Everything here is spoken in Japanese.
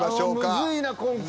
むずいな今回。